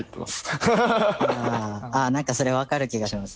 何かそれ分かる気がします。